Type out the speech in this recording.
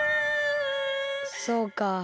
そうか。